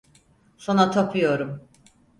Sana tapıyorum.